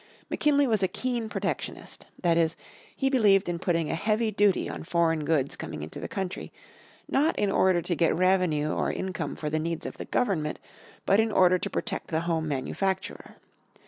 McKinley was a keen protectionist. That is, he believed in putting a heavy duty on foreign goods coming into the country, not in order to get revenue or income for the needs of the Government, but in order to protect the home manufacturer.